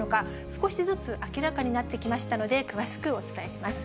少しずつ明らかになってきましたので、詳しくお伝えします。